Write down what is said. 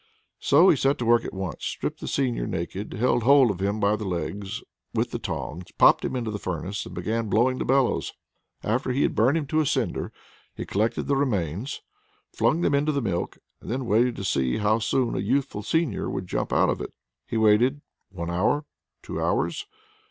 So he set to work at once, stripped the seigneur naked, laid hold of him by the legs with the tongs, popped him into the furnace, and began blowing the bellows. After he had burnt him to a cinder, he collected his remains, flung them into the milk, and then waited to see how soon a youthful seigneur would jump out of it. He waited one hour, two hours.